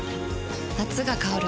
夏が香る